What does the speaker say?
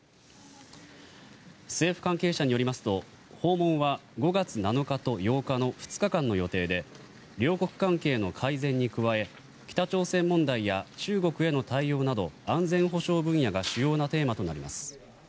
政府関係者によりますと訪問は５月７日と８日の２日間の予定で両国関係の改善に加え北朝鮮問題や中国への対応など安全保障分野が主要なテーマとなります。